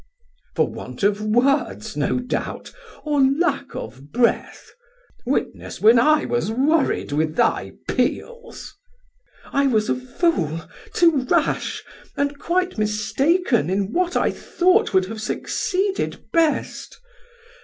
Sam: For want of words no doubt, or lack of breath, Witness when I was worried with thy peals. Dal: I was a fool, too rash, and quite mistaken In what I thought would have succeeded best.